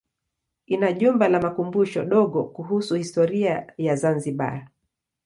Ina jumba la makumbusho dogo kuhusu historia ya Zanzibar.